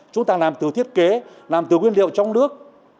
chúng ta làm từ thiết kế làm từ nguyên liệu trong nước